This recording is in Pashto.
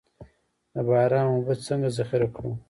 د باران اوبه څنګه ذخیره کړو؟